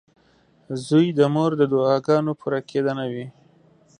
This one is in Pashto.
• زوی د مور د دعاګانو پوره کېدنه وي.